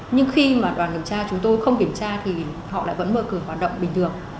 nhưng khi mà đoàn kiểm tra chúng tôi không kiểm tra thì họ lại vẫn mở cửa hoạt động bình thường